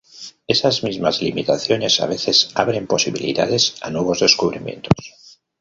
Esas mismas limitaciones a veces abren posibilidades a nuevos descubrimientos.